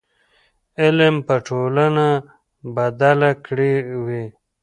علم به ټولنه بدله کړې وي.